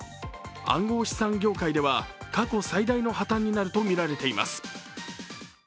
暗号資産業界では過去最大の破綻になるとみられています。